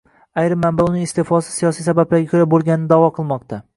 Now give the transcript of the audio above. Ayrim manbalar uning iste'fosi siyosiy sabablarga ko'ra bo'lganini da'vo qilmoqda